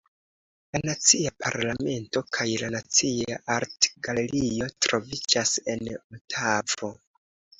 La Nacia Parlamento kaj la Nacia Artgalerio troviĝas en Otavo.